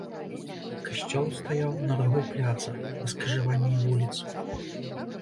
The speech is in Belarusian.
Касцёл стаяў на рагу пляца, на скрыжаванні вуліц.